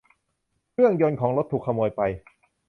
เครื่องยนต์ของรถถูกขโมยไป